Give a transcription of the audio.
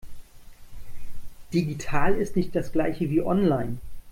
Digital ist nicht das Gleiche wie online.